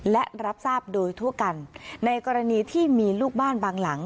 และรับทราบโดยทั่วกันในกรณีที่มีลูกบ้านบางหลัง